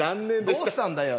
◆どうしたんだよ。